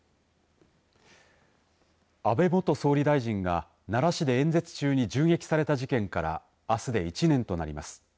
安倍元総理大臣が奈良市で演説中に銃撃された事件からあすで１年となります。